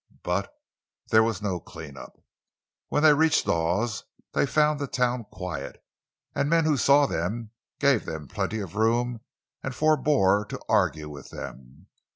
But there was no "clean up." When they reached Dawes they found the town quiet—and men who saw them gave them plenty of room and forebore to argue with them.